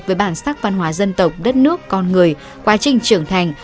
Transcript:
với bản sắc văn hóa dân tộc đất nước con người quá trình trưởng thành